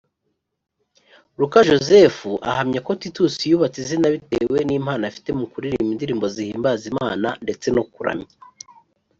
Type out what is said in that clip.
Luka Jozefu ahamya ko Titus yubatse izina bitewe n’impano afite mu kuririmba indirimbo zihimbaza Imana ndetse no kuramya.